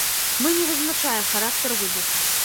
Мы не вызначаем характар выбуху.